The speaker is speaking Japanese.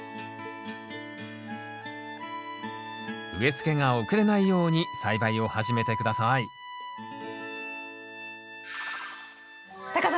植え付けが遅れないように栽培を始めて下さいタカさん